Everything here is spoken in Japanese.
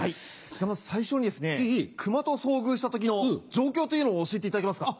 じゃ最初にですね熊と遭遇した時の状況というのを教えていただけますか？